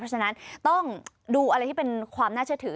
เพราะฉะนั้นต้องดูอะไรที่เป็นความน่าเชื่อถือ